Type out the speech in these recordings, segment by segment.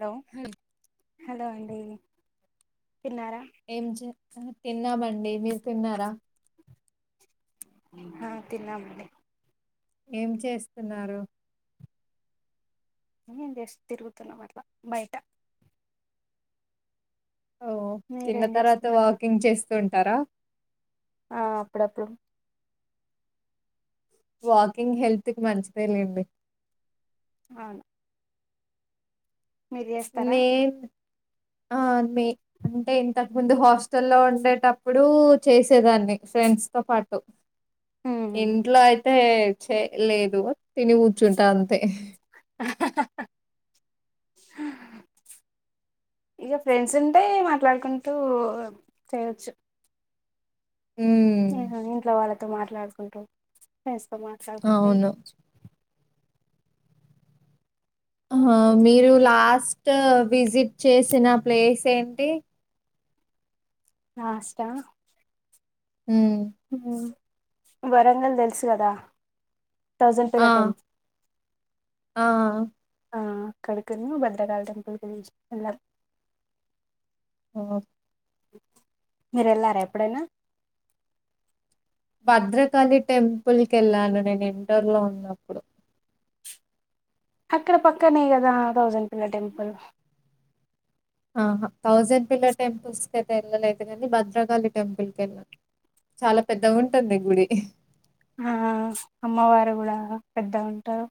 Hello hello అండి తిన్నారా ఏం తిన్నామండి మీరు తిన్నారా హ తిన్నామండీ ఏం చేస్తున్నారు, ఏం చేసి తిరుగుతున్నాం అట్ల బయట ఓ తిన్న మీరేం తర్వాత చేస్తున్నారు వాకింగ్ చేస్తూ ఉంటారా, ఆ అప్పుడప్పుడు వాకింగ్ హెల్త్ కి మంచిదెలెండి, అవును మీరు చేస్తారా [unintelligible] ఆ అ మీ అంటే ఇంతకు ముందు హాస్టల్ల్లో ఉండేటప్పుడు చేసేదాన్ని ఫ్రెండ్స్ స్తో పాటు ఉమ్ ఇంట్లో అయితే చేయలేదు తిని కూర్చుంటా అంతే, [unintelligible] [unintelligible] ఇగా ఫ్రెండ్స్ ఉంటే మాట్లాడుకుంటూ చేయచ్చు, ఉమ్ న ఇంట్లో వాళ్ళతో మాట్లాడుకుంటూ ఫ్రెండ్స్తో మాట్లాడుకుంటూ, అవును మీరు లాస్ట్ విజిట్ చేసిన ప్లేస్ ఏంటి లాస్ట్ ఆ ఉమ్ ఉహు వరంగల్ తెలుసు కదా థౌసండ్ ఆ పిల్లర్ టెంపుల్ ఆ అక్కడి కి వెళ్లి భద్రకాళి టెంపుల్ కి వెళ్ళాం ఆ మీరు వెళ్లారా ఎప్పుడైనా భద్రకాళి టెంపుల్ కి వెళ్ళాను నేను ఇంటోర్ లో ఉన్నప్పుడు, అక్కడ పక్కనే కదా థౌజంన్డ్ పిల్లర్ టెంపుల్ ఆహా థౌజండ్ పిల్లర్ టెంపుల్స్ కి అయితే వెళ్ళాలలేదు కానీ భద్రకాళి టెంపుల్ కి వెళ్లినం, చాలా పెద్దగా ఉంటుంది గుడి ఆ అమ్మవారు కూడా పెద్ద ఉంటారు.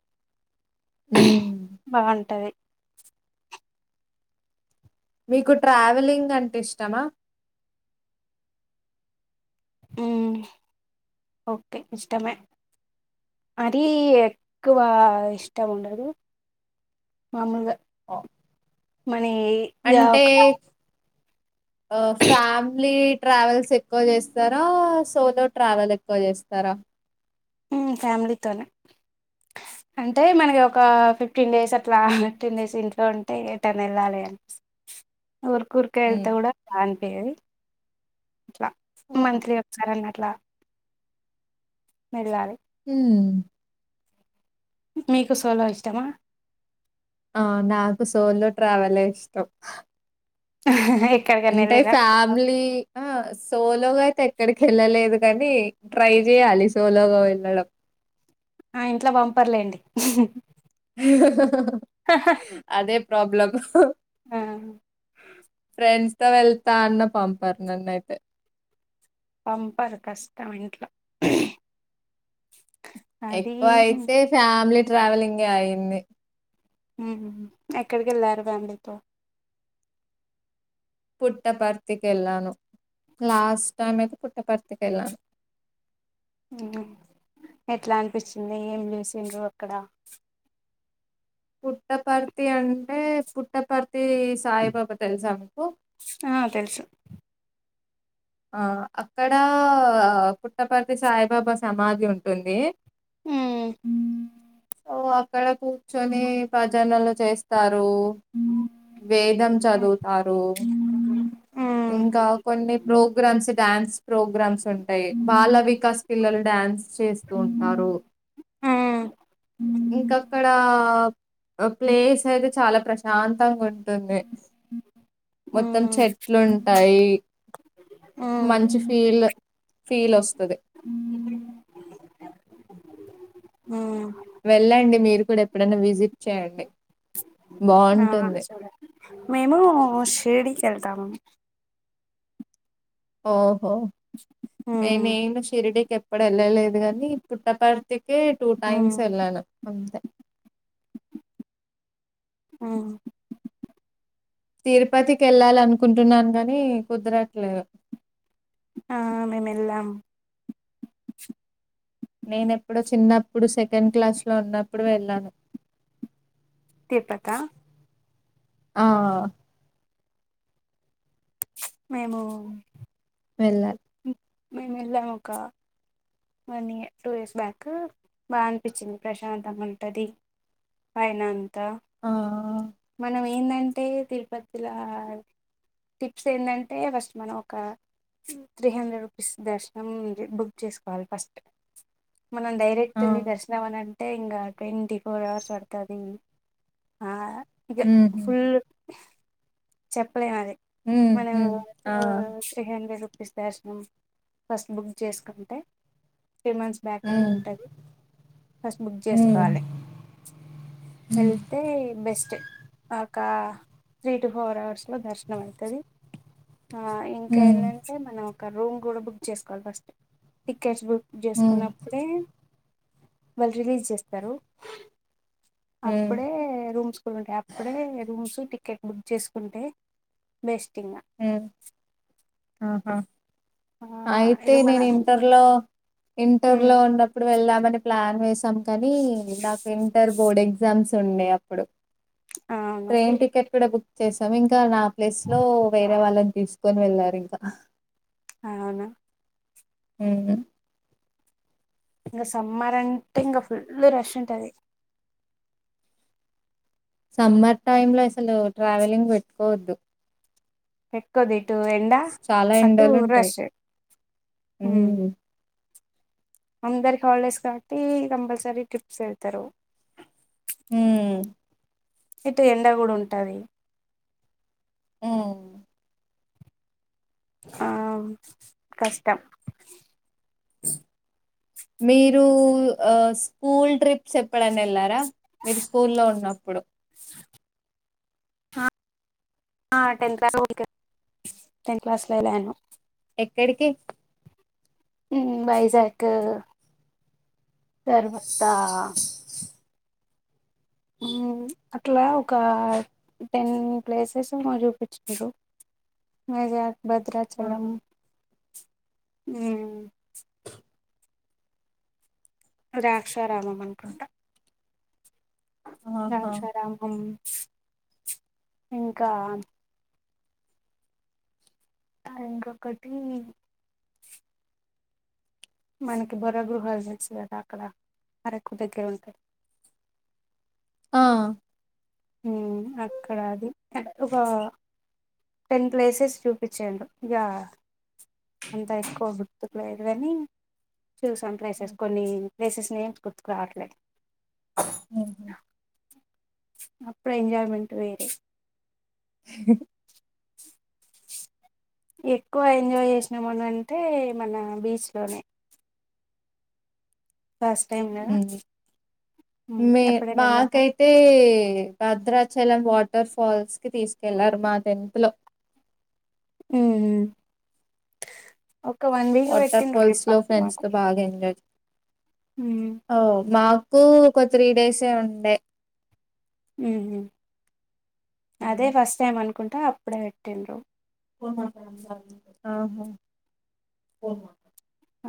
హ్మ్. బాగుంటది. మీకు ట్రావెలింగ్ అంటే ఇష్టమా, ఉ ఓకే ఇష్టమే మరి ఎక్కువ ఇష్టం ఉండదు మామూలుగా ఆ ని యాక్ కన్ ఆ ఫ్యామిలీ ట్రావెల్స్ ఎక్కువ చేస్తారా సోలో ట్రావెల్ ఎక్కువ చేస్తారా, ఉ ఫ్యామిలీతోనే [unintelligible] అంటే మనకి ఒక ఫిఫ్టీన్ డేస్ అట్లా ఫిఫ్టీన్ డేస్ ఇంట్లో ఉంటే ఎటన్న వెళ్ళాలి అని ఊర్కుఊర్క వెళ్తే హ్మ్. కూడా బాగా అనిపియ్యదు అట్లా ఓహ్! మంత్లీ ఒకసారి అన అట్లా వేళ్ళాలి, ఉ మీకు సల ఇష్టమా ఆ నాకు సోలో ట్రావెలే ఇష్టం [unintelligible] అంటే వెళ్ళిర్రా ఫ్యామిలీ ఆ సోలోగా అయితే ఎక్కడికి వెళ్ళలేదు, కాని ట్రై చేయాలి సోలోగా వెళ్ళడం, ఆ ఇంట్ల పంపర్లేండి అదే ప్రాబ్లమ్ ఆ ఫ్రెండ్స్ తో వెళ్తా అన్న పంపర్ నన్నైతే పంపరు కష్టం ఇంట్లో అది ఎక్కువ అయితే ఫ్యామిలీ ట్రావెలింగ్ అయింది ఎక్కడికి వెళ్ళారు ఫ్యామిలీతో పుట్ట పార్తకి ఎలాన లాస్ట్ టైమ్ అయితే పుట్టపర్తిక వెళ్ళాను ఎట్లా అనిపించింది ఏంచేసిండ్రు అక్కడ పట్టపరతి అంటే పట్టపరతి సాయిబాబా తెల్స మీకు ఆ తెలుసు ఆ అక్కడ పుట్టపర్తి సాయిబాబా సమాధి ఉంటుంది హు హు ఓ అక్కడ కూర్చొని ప్రజనలు చేస్తారు రు వేదం చదువుతారు ఇంకా కొన్ని ప్రోగ్రామ్స్ డ్యాన్స్ ప్రోగ్రామ్స్ ఉంటాయి బాల వికాస్ పిల్లలు డ్యా ్యాన్స్ చేస్తూ ఉంటారు ఇంక అక్కడ ప్లేస్ అయితే చాలా ప్రశాంతంగా ఉంటుంది మొత్తం చెట్ ఉంటాయి మంచి ఫీల్ ఫీల్ వస్తది హ వెళ్ళండి మీరు కూడా ఎప్పుడైనా విజిట్ చేయండి ఆ బాగుంటుంది సరే మేము షిరీడి కి వెళ్తాము ఓహో మీమేమి షిరిడి కి ఇప్పుడు వెళ్ళలేదు కానీ పుట్టపర్తికే టూ టైమ్స్ వెళ్ళాను అంతే హు తిరుపతికి వెళ్ళాల అనుకుంటున్నాను కాని కుదరట్లేదు ఆ మేము ఎల్లం నేనెప్పుడో చిన్నప్పుడు సెకండ్ క్లాస్ లో ఉన్నప్పుడు వెళ్ళాను తిరుపతి హ ఆ మేము వెళ్ళా మేము వెళ్ళాం ఒక one year two years back బాగా అనిపించింది ప్రశాంతంగా ఉంటుంది అయనా అంత ఆ మన ఏంటంటే తిరుపతిలో ట్రిప్స్ ఏంటంటే ఫస్ట్ మనం ఒక త్రీ హండ్రెడ్ రూపీస్ దర్శనం మీరు బుక్ చేసుకో ల్ ఫస్ట్ మనం డైరెక్ట్ ఆ వెళ్లి దర్శన వన అంటే ఇంకా ట్వంటీ ఫోర్ అవర్స్ పడుతది ఇక హ్మ్ ఫుల్ చెప్పలేను అది హ్మ్ మనం హ్మ్ ఆ త్రీ హండ్రెడ్ ఫ్రీదర్శనం ఫస్ట్ బుక్ చేసుకుంటే త్రీ మంత్స్ బ్యాక్ ఏమి హ్మ్ ఉంటుంది ఫస్ట్ బుక్ హ్మ్ చేసుకోవాలి హ్మ్ వెళ్తే బెస్ట్ ఒక త్రీ టు ఫోర్ అవర్స్లో దర్శనం అవుతుంది ఇంకా హ్మ్ ఏంటంటే మనం ఒక రూమ్ కూడా బుక్ చేసుకోవాలి ఫస్ట్ టిక్కెట్స్ బుక్ హ్మ్ చేసుకున్నప్పుడే వాళ్ళు రిలీజ్ చేస్త వెళ్తారు హ్మ్ అప్పుడే రూమ్స్ కూడా ఉంటాయి అప్పుడే రూమ్స్ టికెట్ బుక్ చేసుకుంటే బెస్టింగ్ హ్మ్. ఆహా అయితే ఇగ మన నేను ఇంటర్లో ఉమ్ ఇంటర్లో ఉన్నప్పుడు వెళ్దాం మని ప్లాన్ వేశాం కానీ నాకు ఇంటర్ బోర్డ్ ఎగ్జామ్స్ ఉండే అప్పుడు అవును ట్రైన్ టికెట్ కూడా బుక్ చేసాము ఇంకా నా ప్లేస్లో వే రే వాళ్ళని తీసుకొని వెళ్లారు ఇంకా అవునా మ్మ్ మ్మ్ ఇంగ సమ్మార్ అంటే ఇంగ ఫుల్ రష్ ఉంటది సమ్మర్ టైమ్లో అసలు ట్రావెలింగ్ పెట్టుకోవద్దు పెట్టుకోవద్దు ఇటు ఎండ చాలా అటు ఎండలు ఉంటాయి రష్ హ్మ్ ఉమ్ అందరికి హాలిడేస్ కాబట్టి కంపల్సరీ ట్రిప్స్ ఎళ్తారు హ్మ్మ్ ఇటు ఎండ కూడుంటది మ్మ్ ఆమ్ కష్టం మీరు ఆ స్కూల్ ట్రిప్స్ ఎప్పుడన్నా ఎళ్లారా మీరు స్కూలో ఉన్నప్పుడు ఆ టెన్త్ క్లాస్లో [unintelligible] టెన్త్ క్లాస్లో ఎళాను ఎడికి హ్మ్ వైజాగ్కు తర్వాత ఇ అట్లా ఒక టెన్ ప్లేసెస్ ఎమో చూపిచిండ్రు వైజాగ్ భద్రాచలం ఆహా హ్మ్మ్ రాక్షారామం అనుకుంటా ఆహా ద్రాక్షారామం ఇంకా ఆ ఇంకొకటి మనకి బొర్ర గృహాలు తెలుసు కదా అక్కడ అరకు దగ్గరేంటాయి ఆ మ్మ్ అక్కడ అది ఒక టెన్ ప్లేసెస్ చూపించడు ఇక అంత ఎక్కువ గుర్తు లేదు గని చూశాం ప్లేసెస్ హ్మ్. కొన్ని ప్లేసెస్ నేమ్స్ గుర్తుకు రావట్లేదు మ్మ్ హ్మ్ అప్పుడు ఎంజాయ్మెంట్ వేరే ఎక్కువ ఎంజాయ్ చేసినామనంటే మన బీచ్ లోనే ఫస్ట్ టైం కదా మ్మ్ ఉమ్, మే‌ ఎప్పుడైనా వెళ్ళారా మాకైతే భద్రా చలం వాటర్ ఫాల్స్ కి తీసుకెళ్లారు మా తెన్త్ లో మ్మ్ ఉహ్మ్ వాటర్ ఫాల్స్ లో ఫ్రెండ్స్ తో బాగా ఎంజాయ్ ఉమ్, ఓ మాకు ఒక త్రీ డేసే ఉండే మ్మ్ ఉహ్మ్ అదే ఫస్ట్ టైం అనుకుంటా అప్పుడే పెట్టిండ్రు [unintelligible] ఆహా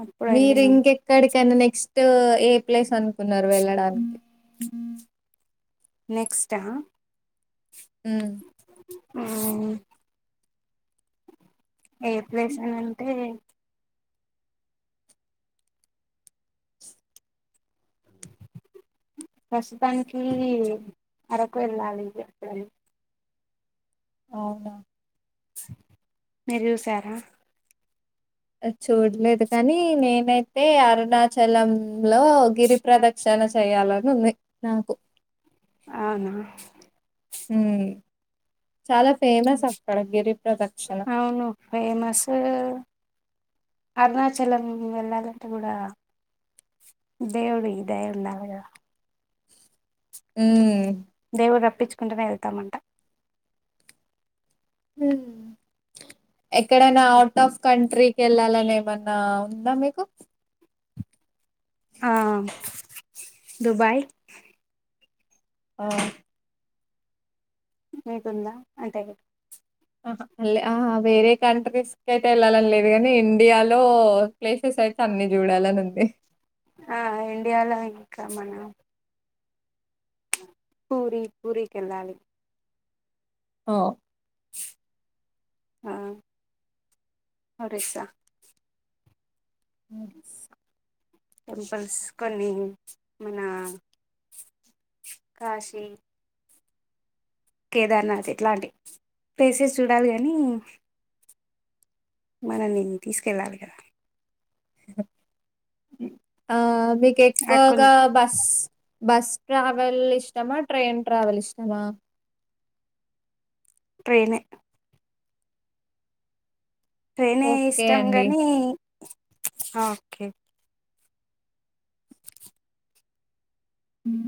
అప్పుడు మీరు వెళ్ళినాం ఇంకెక్కడికి కానీ నెక్స్ట్ ఏ ప్లేస్ అనుకున్నారు వెళ్ళడానికి నెక్స్ట్ఆ మ్మ్ ఉమ్మ్ ఏ ప్లేస్ అని అంటే ప్రస్తుతానికి అరకు వెళ్ళాలి జేప్పని అవునా మీరు చూసారా చూడలేదు కానీ నేనైతే అరుణాచలాం లో గిరి ప్రదక్షిణ నా చేయాలని ఉంది నాకు అవునా ఊ చాలా ఫేమస్ అక్కడ గిరి ప్రదిక్షిణ అవును ఫేమస్ అరుణాచలం వెళ్ళాలంటే కూడా దేవురు ఇ [unintelligible] హ దేవుడు రప్పించుకుంటేనే వెళ్తామంట ఎక్కడనా ఔట్ ఆఫ్ కంట్రీ వెళ్ళాలని ఏమన్నా ఉందా మీకు ఆ దుబాయ్ ఆ మీకుందా [unintelligible] ఆహ ఆహ వేరే కంట్రీస్ కయితే వెళ్ళాలని లేదు కానీ ఇండియాలో ప్లేసెస్ అయితే అన్ని చూడాలని ఉంది ఆ ఇండియాలో ఇంకా మన పూరి పూరి కెళ్ళాలీ ఓ ఆ ఒరిస్సా టెంపుల్స్ కొన్ని మన కాశీ కేదార్నాథ్ ఇట్లాంటి ప్లేసెస్ చూడాల కాని మనల్ని తీసుకెళ్ళాలి కదా ఆ మీకు అ ఎక్కువగా బస్ బస్ ట్రావెల్ ఇష్టమా ట్రైన్ ట్రావెల్ ఇష్టమా ట్రెయినే ట్రైనే ఓకే ఇష్టం అండి. గానీ ఆ ఓకే ఉమ్